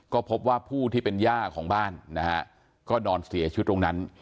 ก็พบว่าผู้ที่เป็นย่าของบ้านนะฮะก็นอนเสียชีวิตตรงนั้น